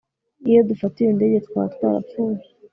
iyo dufata iyo ndege, twaba twarapfuye